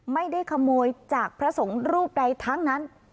ไม่ได้ขโมยจากพระสงฆ์รูปใดทั้งนั้น